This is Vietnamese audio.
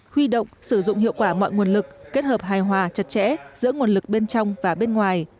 huy động sử dụng hiệu quả mọi nguồn lực kết hợp hài hòa chặt chẽ giữa nguồn lực bên trong và bên ngoài